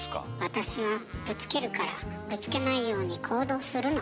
「私はぶつけるからぶつけないように行動するの」というね